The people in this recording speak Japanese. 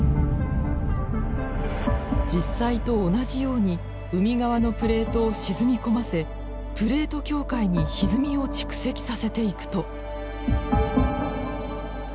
実際と同じように海側のプレートを沈み込ませプレート境界にひずみを蓄積させていくと。